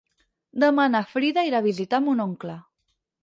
Demà na Frida irà a visitar mon oncle.